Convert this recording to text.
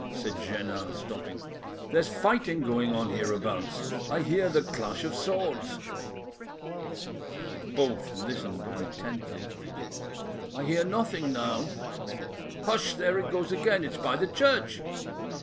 said Jeannin, stopping, "There's fighting going on hereabouts; I hear the clash of swords." Both listened intently. "I hear nothing now." "Hush! there it goes again. It's by the church."